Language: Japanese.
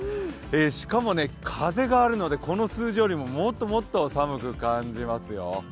しかも風があるのでこの数字よりも、もっともっと寒く感じますよ。